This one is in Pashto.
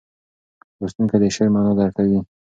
لوستونکی د شعر معنا درک کوي.